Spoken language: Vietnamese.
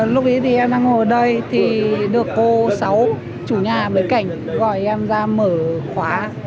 lúc ấy em đang ngồi ở đây được cô sáu chủ nhà bên cạnh gọi em ra mở khóa